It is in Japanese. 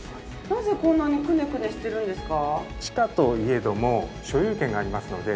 なぜこんなにクネクネしてるんですか？